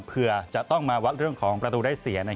เพื่อจะต้องมาวัดเรื่องของประตูได้เสีย